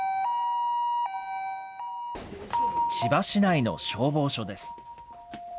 千葉市内の消防署です。